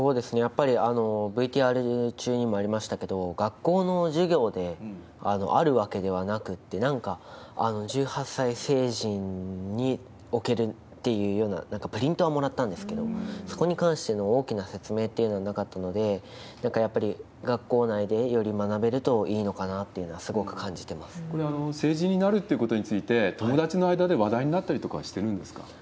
やっぱりＶＴＲ中にもありましたけれども、学校の授業であるわけではなくって、なんか１８歳成人におけるっていうようなプリントはもらったんですけれども、そこに関しての大きな説明っていうのはなかったので、やっぱり学校内でより学べるといいのかなって、これ、成人になるっていうことについて、友達の間で話題になってるとかはしてるんですか？